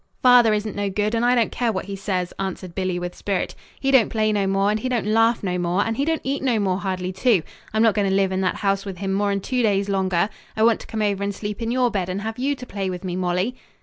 "Father isn't no good, and I don't care what he says," answered Billy with spirit. "He don't play no more, and he don't laugh no more, and he don't eat no more hardly, too. I'm not going to live in that house with him more'n two days longer. I want to come over and sleep in your bed and have you to play with me, Molly."